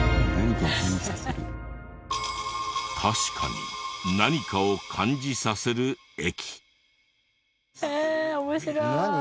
これが「何かを感じさせる駅」。